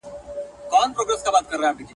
د ناز خواړه يا بل منگه وي، يا تروه.